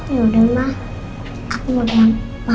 ya udah ma aku mau kasih buat om baik